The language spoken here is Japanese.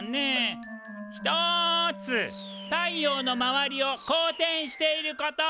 １つ「太陽の周りを公転していること」！